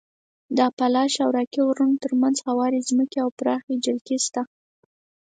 د اپالاش او راکي غرونو تر منځ هوارې ځمکې او پراخې جلګې شته.